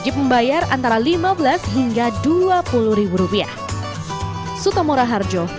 bayar antara lima belas hingga dua puluh ribu rupiah